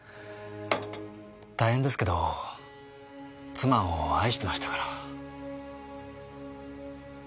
大変ですけど妻を愛してましたから。